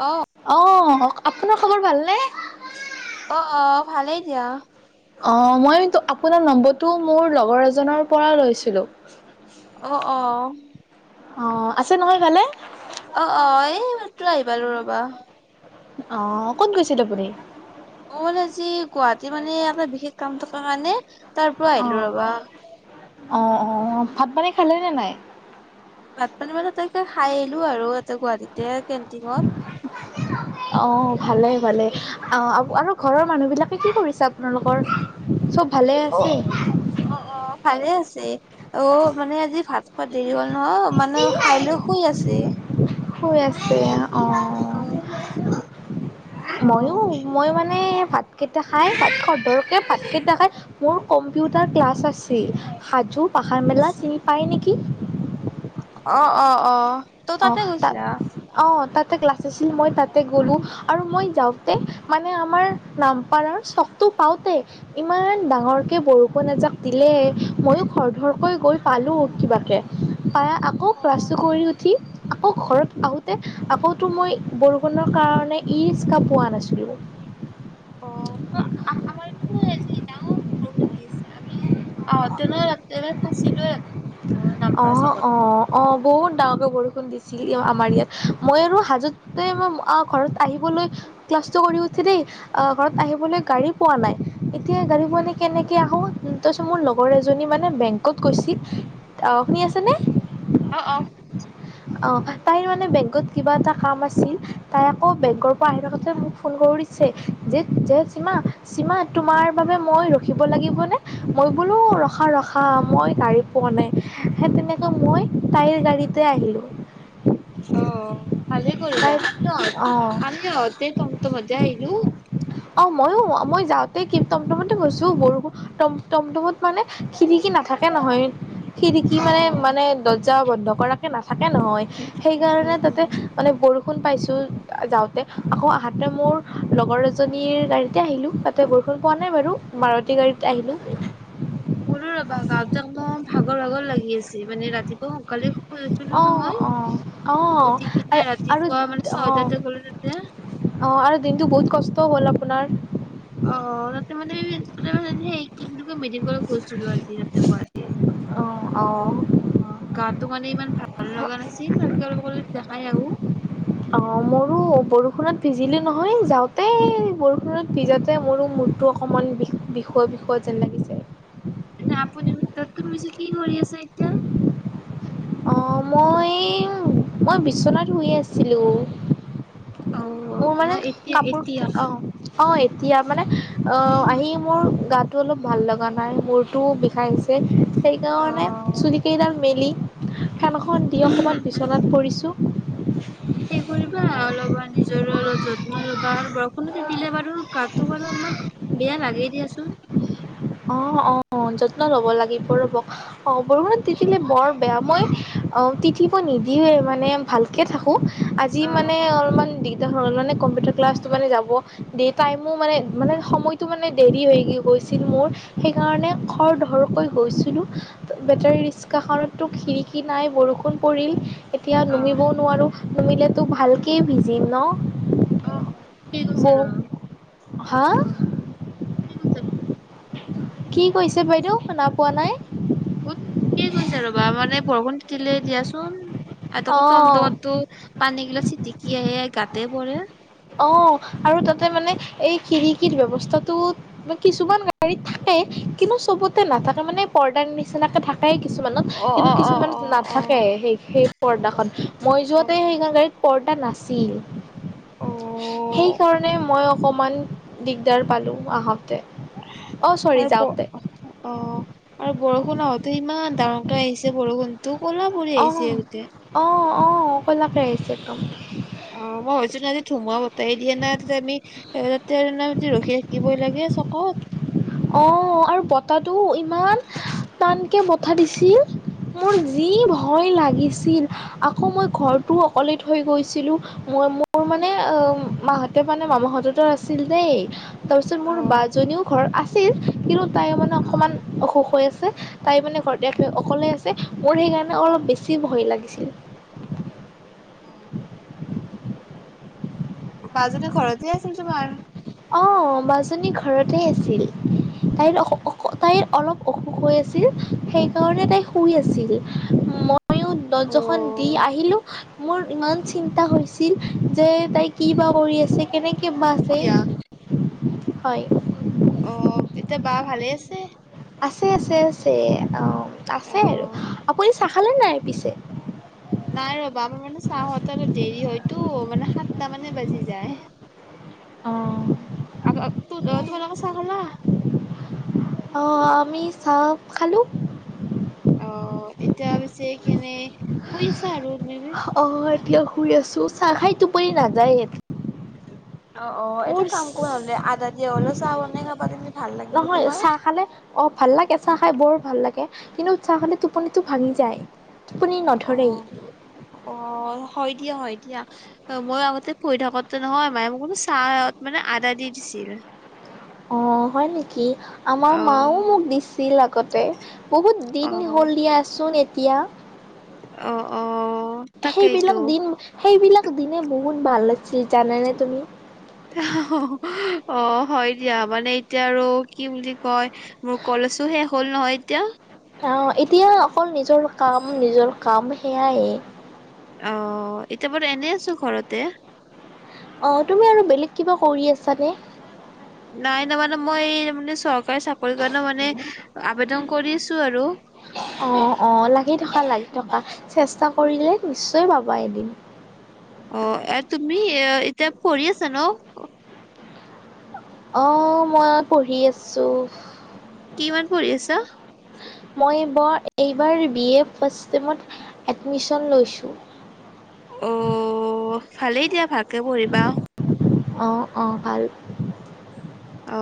অ'। অহ। আপোনাৰ খবৰ ভালনে? অ অ ভালেই দিয়া। অ মই আপোনাৰ নম্বৰটো মোৰ লগৰ এজনৰ পৰা লৈছিলোঁ। অ অ। অ আছে নহয় ভালে? অ অ এইমাত্ৰ আহিপালোঁ ৰবা। অ ক'ত গৈছিল আপুনি? মোৰ আজি গুৱাহাটী মানে এটা বিশেষ কাম থকা কাৰণে। তাৰ পৰা অ'। আহিলো ৰবা। অ', অ ভাত পানী খালেনে নাই। ভাত পানী মানে ত তকে খাই আহিলো আৰু তাতে গুৱাহাটীতে কেণ্টিনত। অ ভালে ভালে আহ আৰু ঘৰৰ মানুহ বিলাকে কি কৰিছে আপোনালোকৰ চব। ভালে অ'। আছে। অ', অ', ভালে আছে অ মানে আজি ভাত খোৱাত দেৰি হ'ল। ন মানে খাই লৈ শুই আছে। যে শুই আছে এয়া অ ময়ো অ'। মই মানে ভাত কেইটা খাই ভাত খৰধৰকে ভাত কেইটা খাই মোৰ কম্পিউটাৰ ক্লাছ আছিল সাজু পাহাৰ মেলা চিনি পাই নেকি? কি অ অ অ ত' অ তাতে তাত গৈছিলা? অ তাত ক্লাছ আছিল মই তাতে গলো আৰু মই যাওঁতে মানে আমাৰ নামপাৰৰ চখটো পাওঁতে ইমান ডাঙৰকে বৰষুণ এজাক দিলে ময়ো খৰধৰকৈ গৈ পালো কিবাকে। পায় আকৌ অ', অ ক্লাছটো কৰি আকৌ ঘৰত আহোঁতে আকৌতো মই বৰষুণৰ কাৰণে ইৰিক্সা পোৱা নাছিলোঁ অ আমাৰ ইয়াতো ডাঙকে বৰষুণ দি আছে আমিও অ তেনে খাচি লোৱে আজি। অ অ অ বহুত ডাঙকে বৰষুণ দিছে আছিল আমাৰ ইয়াত মই আৰু হাজোতে ঘৰত আহিবলৈ ক্লাছটো কৰি উঠি দেই ঘৰত আহিবলৈ গাড়ী পোৱা নাই এতিয়া গাড়ী পোৱা নাই কেনেকে আহো তাৰপিছত মোৰ লগৰ এজনী মানে বেংকত গৈছিল। শুনি আছেনে? অ অ [inaudible] অ তাইৰ মানে বেংকত কিবা এটা কাম আছিল তাই আকৌ বেংকৰ পৰা আহি থাকোতে মোক ফোন কৰি দিছে যে যে চিমা চিমা তোমাৰ বাবে মই ৰখিব লাগিবনে মই বোলো ৰখা ৰখা মই গাড়ী পোৱা নাই সেই তেনেকৈ মই তাইৰ গাড়ীতে আহিলোঁ। [inaudible] অ ভালে তাই কৰিলা অ' আমি তমতমতে আহিলো অ ময়ো মই যাওঁতে কি টমটমতে গৈছো বৰষুণ টমটমত মানে খিৰিকি নাথাকে নহয়। খিৰিকী মানে উম, মানে দৰ যাৰ বন্ধক ৰাখে নাথাকে নহয় সেইকাৰণে তাতে উম। মানে বৰষুণ বৰষুণ পাইছো যাওতে আকৌ আহোতে মোৰ লগৰ এজনী জনীৰ গাড়ীতে আহিলো তাতে বৰষুণ পোৱা নাই বাৰু মাৰু সোধো ৰবা গাঁৱত যে ভাগৰ ভাগৰ লাগি আছে মানে ৰাতিপুৱা সোনকালে শুই উঠিলোঁ অ নহয়। অ অ উঠি কিনে আৰু ৰাতিপুৱা মানে অ ছয়টাতে গ'লো তেতিয়া। অ আৰু দিনটো বহুত কষ্টও হ'ল আপোনাৰ অ তাতে মানে তাতে মানে সেই কি বুলি কয় মেডিকেল গেছিলো আজি তাতে গুৱাহাটী অঁ অঁ গাটো মানে ইমান ভাল ভাল লগা নাছিল আৰু তোমাৰ লোকৰ যদি নাখাই আৰু অঁ মোৰো বৰষুণত ভিজিলোঁ নহয় যাওঁতে, বৰষুণত ভিজাওঁতে মোৰো মূৰটো অকণমান বিষ বিষৱা, বিষৱা যেন লাগিছে। আপুনি তাত তো বেছি কি কৰি আছে এতিয়া। অঁ মই মই বিচনাত শুই আছিলোঁ। অ মোৰ মানে মই এতিয়া কাপোৰ এতিয়া আঁহ অঁ এতিয়া মানে আঁহ, আহি মোৰ গাত টো অলপ ভাল লগা নাই মূৰতো বিষাইছে। অ অ সেইকাৰণে চুলি কেইডাল মেলি [unintelligible] ফেনখন, দি অকণমান বিচনাত পৰিছো সেই কৰিবা অলপমানে অঁ যত্ন ল'বা আৰু বৰষুণত তিতিলে বাৰু গাটো অকনমান বেয়া লাগেই দিয়াচোন অঁ, অঁ যত্ন ল'ব লাগিব ৰ'ব অঁ বৰষুণত তিতিলেে বৰ বেয়া মই অঁ তিতিব নিদিৱে মানে ভালকে থাকো। আজি অ মানে অলপমান দিগদাৰ হ'ল মানে কম্পিউটাৰ। ক্লাছটো মানে যাব দে টাইমো মানে মানে সময়তটো মানে দেৰি হৈ গৈছিল মোৰ। সেইকাৰণে খৰ ধৰকৈ গৈছিলোঁ বেটাৰী ৰিক্সাখনতো খিৰিকী নাই বৰষুণ পৰিল। এতিয়া অ অ নামিবওঁ নোৱাৰোঁ নামিলে তো ভালকে ভিজিম ন! অঁ অঁ কি ব কৈছা নো হা কি কৈছে বাইদেউ শুনা পোৱা নাই! অঁ [unintelligible] গৈছে ৰ'বা মানে বৰষুণ দিলে দিয়াচোন এ আকৌ তম অঁ তমটো পানী গিলা চিটিকি আহে গাতে পৰে। অঁ আৰু তাতে মানে এই খিৰিকীৰ ব্যৱস্থাটো কিছুমান গাড়ীত থাকে কিন্তু চবতে নাথাকে মানে পৰ্দাৰ নিচিনাকে থাকে। য় কিছুমানত অ', কিন্তু অ', কিছুমানত অ', নাথাকে অ', সেই সেই অ', পৰ্দাখন মই অ যোৱাতে সেইখন গাড়ী পৰ্দা নাছিল। অ অ সেইকাৰণে মই অকণমান দিগদাৰ পালোঁ আহাতে। আৰু ক অ আৰু বৰষুণত ত ইমান ডাঙৰকে আহিছে বৰষুণ। তোৰ ক'লা পৰি আহিছে গোতে অঁ ক'লাকে আহিছে একদম অঁ মই ভাবিচো আজি সোমাব তো তাই দিয়া নাই তাতে আমি- বাহিৰতে আমি ৰখি থাকিবই লাগে চকত। অ আৰু বতৰটো ইমান টানকে বতাহ দিছিল মোৰ যি ভয় ভয় লাগিছিল আকৌ মই ঘৰটো অকলে থৈ গৈছিলোঁ। মই মোৰ মানে মাহঁতে মানে মামাহঁত ত আছিল দেই। তাৰপিছত অ মোৰ বা জনীয়ো ঘৰ আ ছিল কিন্তু তাই মানে অকমান অসুখ হৈ আছে। তাই মানে ঘৰতে অকলে আছে মোৰ সেইকাৰণে অলপ বেছি ভয় লাগিছিল। অ মাজনি ঘৰতে আছিল তোমাৰ। অ মাজনী ঘৰতে আছিল তাইৰ অ অসু তাইৰ অলপ অসুখ হৈ আছিল সেইকাৰণে তাই শুই আছিল। মই মইয়ো দৰ্জাখন দি অ', আহিলোঁ। মোৰ ইমান চিন্তা হৈছিল যে তাই কি বা কৰি আছে কেনেকে কেবা আছে। দিয়া হয়। [unintelligible] অ', এতিয়া বা ভালে আছে। আছে আছে আছে অ। আছে আৰু অ', আপুনি চাহ খালে নাই পিছে। নাই ৰ'বা আমাৰ মানে চাহত আৰু দেৰি হয়তো মানে সাতটা মানে বাজি যায়। অঁ আৰ। তো তোমাৰ লোকৰ চাহ খালা। অ আমি চাহ খালোঁ। অ এতিয়া পিছে কেনে শুই আছা আৰু চাহখাই টোপনি নাজায় [inaudible] অ অ এটা কাম কৰা নহ'লে আদা দিয়া হ'লেও চাহ বনাই খাবা তুমি ভাল লাগিব নহয় তোমাৰ। চাহ খালে অঁ ভাল লাগে চাহ খাই বৰ ভাল লাগে কিন্তু চাহ খালে টো অ অহ হয় দিয়া হয় দিয়া। অ মই আগতে পঢ়ি থাকোতে নহয় মায়ে মোক মানে চাহত মানে আদা দি দিছিল। অ হয় নেকি? আমাৰ মাও অ' মোক দিছিল আগতে বহুত দিন অ' হ'ল দিয়াচোন এ এতিয়া অ' অ' তাকেইতো। সেইবিলাক দিন সেইবিলাক দিনে বহুত ভাল লাগ লাগিছিল জানা নে তুমি অ হ হ অ হয় দিয়া মানে এতিয়া আৰু কি বুলি কয় মোৰ কলেছো শেষ হ'ল নহয় এতিয়া অ এতিয়া অকল নিজৰ কাম নিজৰ কাম সেয়াই অ এতিয়া বাৰু এনেই আছোঁ ঘৰতে অ তুমি আৰু বেলেগ কিবা কৰি আছানে? নাই ন মানে মই মানে চক চাকৰি কাৰণে মানে আবেদন কৰিছো আৰু। অঁ অঁ লাগি থকা লাগি চেষ্টা কৰিলে নিশ্চয় পাবা এদিন। অ এ তুমি এ এতিয়া পঢ়ি আছা ন? অহ মই পঢ়ি আছো। কিমান পঢ়ি আছা? মই বৰ এইবাৰ বি এ ফাৰ্ষ্ট টেমত এডমিশ্ন লৈছোঁ। অ। ভালেই দিয়া ভাল। ভাল কে পঢ়িবা। অ অ ভাল। অ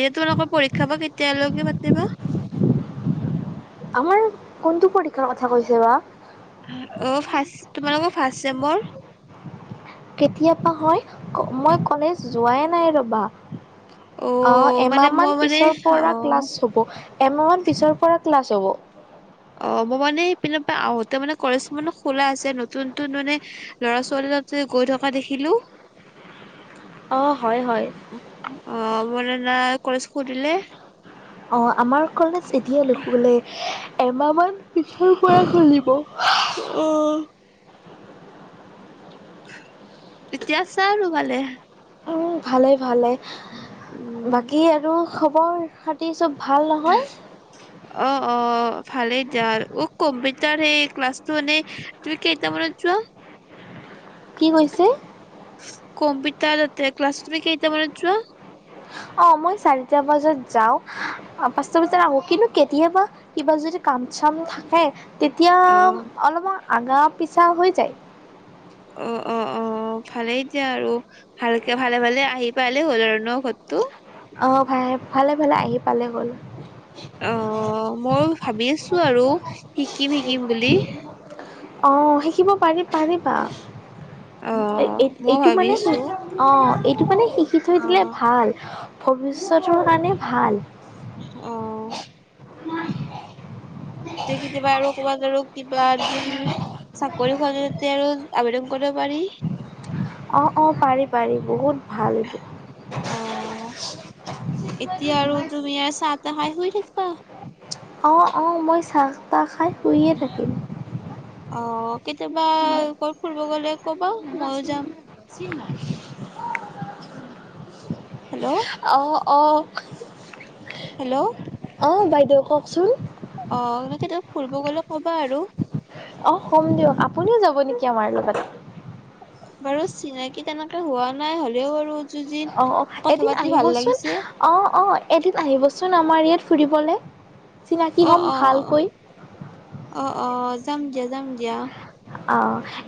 এ তোমালোকৰ পৰীক্ষা বা কেতিয়ালৈকে পাতিবা। আমাৰ কোনটো পৰীক্ষাৰ কথা কৈছে বা? অ ফাৰ্ষ তোমালোকৰ ফাৰ্ষ্ট চেম্বৰ। কেতিয়াবা হয় মই কলেজ যোৱাই নাই ৰ'বা। অ আহ মানে এমাহ মই মান মানে পিছৰ অ পৰা ক্লাছ হব এমাহ মান পিছৰ পৰা। ক্লাছ হব। অ মই মানে পি আহোতে মানে কলেজ মানো খোলা আছে নতুন নতুন মানে ল'ৰা ছোৱালী বিলাক গৈ থকা দেখিলো। অঁ হয় হয়। অ মানে কলেজ খুলিলে অ আমাৰ কলেজ। এতিয়া নুখুবলৈ এমাহ মান। পিছৰ পৰা খুলিব। অ তেতিয়াছা আৰু ভালে। অ ভালে ভালে। উম বাকী আৰু খবৰ খাতি চব ভাল নহয় অ অ ভালে যাৰ উ কম ব তাৰ সেই ক্লাছ মানে তুমি কেইটামানত যোৱা? কি কৈছে। কম্পিউটাৰ এ ক্লা কেইটা মানত যোৱা। অ মই চাৰিটা বজাত যাও পাঁচটা বজাত আহো কিন্তু কেতিয়াবা কিবা যদি কাম চাম থাকে। তেতিয়া অ অলপমান আগাপ। পিছা হৈ যায়। অ অ অ ভালেই এতিয়া আৰু ভালকে ভালে ভালে আহি পালালে হ'ল আৰু ন ঘতটো। অঁ ভাই ভালে ফালে আহি পালে হ'ল। অ মই ভাবি আছো আৰু। শিকিম শিকিম বুলি। অ শিকিব পাৰি পাৰিবা। অ মই এইটো মানে ভাবিছো অ এইটো মানে শিকি থৈ অ দিলে ভাল। ভৱিষ্যতৰ কাৰণে ভাল। অ কেতিয়াবা আৰু ক'বাত আৰু কিবা চাকৰি খতে আৰু আবেদন কৰিব পাৰি। অ অ পাৰি পাৰি বহুত। ভাল এইটো অ এতিয়া আৰু তুমি ই চাহ তাহাই শুই থাকিবা অ অ মই চাহ তাহ খাই। শুইয়ে থাকিম। অ। কেতিয়াবা কৰ ফুৰিব গ'লে। কবা ময়ো যাম। হেল্ল' [unintelligible] অ। অ। হেল্ল'। অঁ বাইদেউ ককচোন। অ। তেতিয়া ফুৰব গ'ল। অ কম দিঅক। আপোনিও যাব নেকি আমাৰ লগত। বাৰু চিনাকি তেনেকে হোৱা নাই হ'লেও বাৰু। অ অ এদিন আহিবচোন অ অ এদিন আহিবচোন। চোন আমাৰ ইয়াত ফুৰিবলে চিনাকি অ হম অ ভালকৈ। অ অ যাম দিয়া যাম দিয়া। অ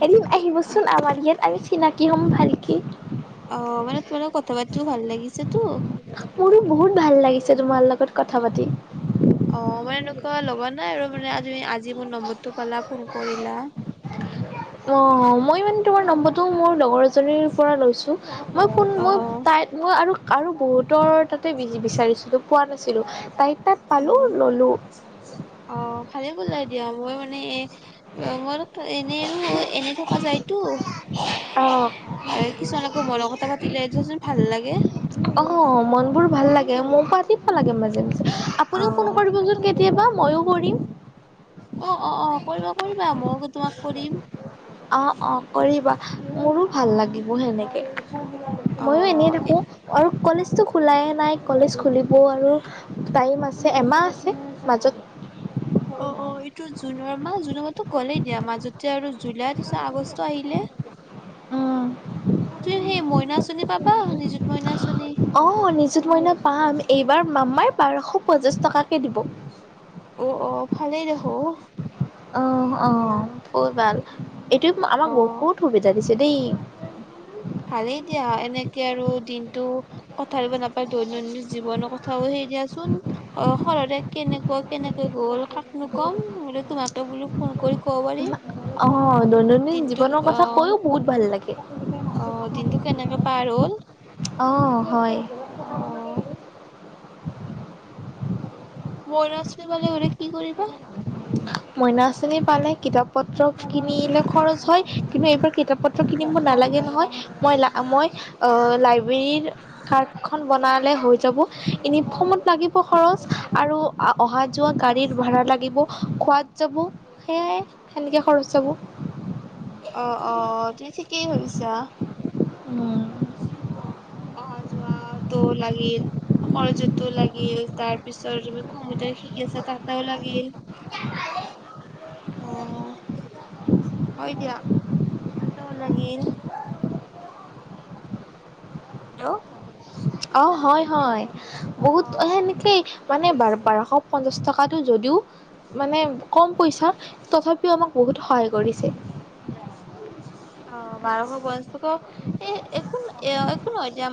এদিন আহিবচোন আমাৰ ইয়াত আৰু চিনাকি হ'ম ভালকে আহ মানে তোমালোক কথা বাতিও ভাল লাগিছে তো। মোৰো বহুত ভাল লাগিছে তোমাল লগত কথা পাতি অ আ মাৰ এনেকুৱা লগা নাই আৰু মানে আজি আজি মোৰ নম্বৰটো পালা ফোন কৰিলা। অ মই মানে তোমাৰ নম্বৰটো মোৰ লগৰ এজনীৰ পৰা লৈছোঁ। মই কোন অ মই অ তাই মই আৰু আৰু বহুতৰ তাতে বি বিচাৰিছিলো পোৱা নাছিলো তাই ত অ পালোঁ ল'লোঁ। অ ভালে বলাই দিয়া মই মানে এ মই এনেই আৰু এনে থকা যায়তো অ আৰু কিছুমানকৰ মনৰ কথা পা লাই থোৱাচোন ভাল লাগে। অঁ মন বোৰ ভাল লাগে মৌ পাতি নালাগে মাজে। অ আপুনিও ফোন কৰিবচোন কেতিয়াবা। ময়ো কৰিম। অঁ অঁ অঁ কৰিব কৰিবা মইো তোমাক কৰিম। অঁ অঁ কৰিবা। মোৰো অ ভাল লাগিব সেনেকে। অ ময়ো এনে থাকো আৰু কলেজটো খোলাইে নাই কলেজ খুলি ব আৰু টাইম আছে। এমাহ আছে মাজত অঁ অঁ এইটো জুনৰ মাহ জুনৰ মাহতো গ'লেই দিয়া মাজতে আৰু জুলাই পিছত আগষ্ট আহিলে। উম, তু সেই মইনা - পাবা নিজুত মইনা আঁচনি অঁ নিজুত মইনা পাম এইবাৰ। মাম্মাই বাৰশ পঞ্চাছ টকাকৈ দিব। অঁ অঁ ভালেই দেখো উ এইটোৱে আমাক বহুত সুবিধা দিছে দেই। ভালেই পথাৰিব নাপায় দৈনন্দিন জীৱনৰ কথাও সেই দিয়াচোন অ সৰতে কেনেকুৱা কেনেকৈ গ'ল! তাকনো কম হলে তোমাক। ব বুলো ফোন কৰি। ক'ব পাৰিম আহ দৈনন্দিন দিনটো জীৱনৰ কথা কৈও বহুত ভাল লাগে। অঁ দিনটো কেনেকে পাৰ হ'ল! অঁ হয়। অ বৈছ্ৰী বলে ঘৰে কি কৰিবা। মইনা আঁচনি পালে কিতাপ পত্ৰ কিনিলে খৰচ হয়, কিন্তু এইবাৰ কিতাপ পত্ৰ নিব নালাগে নহয় মই লা মই অ, লাইব্ৰেৰীৰ কাৰ্ডখন বনালে হৈ যাব। এনেই ফ্ৰমট লাগিব খৰছ আৰু অহা যোৱা গাড়ীত ভাড়া লাগিব, খোৱা যাব, সেয়াই সেনেকে খৰচ যাব। অ অ, তুমি ঠিকেই ভাবিছা। উম। অহা যোৱাটো লাগিল, কলেজতটো লাগিল, তাৰ পিছত তুমি কম্পিউটাৰ শিকি আছা তাতেও লাগিল। অহ হয় দিয়া, ততেও লাগিল হেল্ল' অ হয় হয়, বহুত অ সেনেকেই মানে বাৰ-বাৰশ পঞ্চাছ টকাটো যদিও, মানে কম পইচা তথা আমাক বহুত সহায় কৰিছে। অ, বাৰশ পঁচ ক, এ একো এ একো নহয় দিয়া